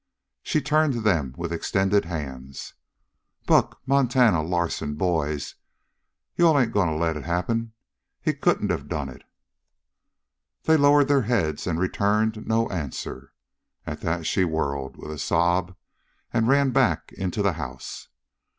She turned to them with extended hands. "Buck, Montana, Larsen boys, you all ain't going to let it happen? He couldn't have done it!" They lowered their heads and returned no answer. At that she whirled with a sob and ran back into the house.